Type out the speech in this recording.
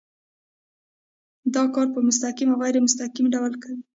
دا کار په مستقیم او غیر مستقیم ډول کوي.